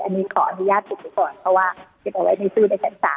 อันนี้ขออนุญาตถุดดีกว่าเพราะว่าเก็บไว้ในซื่อในสารเนาะ